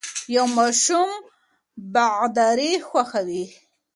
یو ماشوم باغداري خوښوي.